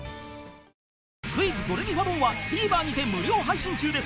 ［『クイズ！ドレミファドン』はＴＶｅｒにて無料配信中です］